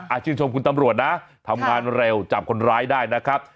ชื่นชมคุณตำรวจนะทำงานเร็วจับคนร้ายได้นะครับ